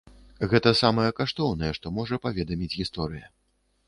Гэта самае каштоўнае, што можа паведаміць гісторыя.